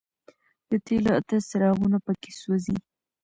د تېلو اته څراغونه په کې سوځي.